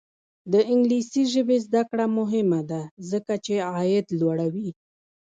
د انګلیسي ژبې زده کړه مهمه ده ځکه چې عاید لوړوي.